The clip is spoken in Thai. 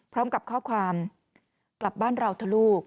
พร้อมกับข้อความกลับบ้านเราเถอะลูก